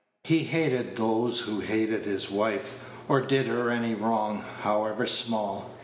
He hated those who hated his wife, or did her any wrong, however small.